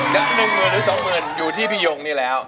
จะ๑หมื่นหรือ๒หมื่นอยู่ที่พี่ยงนี่แล้ว